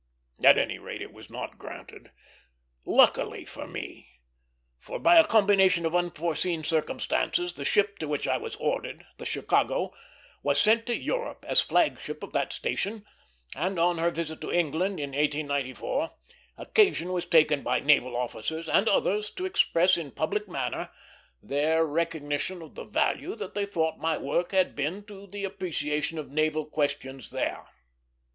At any rate, it was not granted, luckily for me; for by a combination of unforeseen circumstances the ship to which I was ordered, the Chicago, was sent to Europe as flag ship of that station, and on her visit to England, in 1894, occasion was taken by naval officers and others to express in public manner their recognition of the value they thought my work had been to the appreciation of naval questions there.